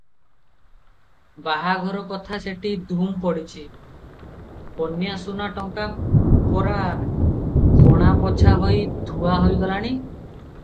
ବାହାଘର କଥା ସେଠି ଧୂମ୍ ପଡିଛି, କନ୍ୟାସୁନା ଟଙ୍କା ପରା ଗଣା ପୋଛା ହୋଇ ଥୁଆ ହୋଇଗଲାଣି ।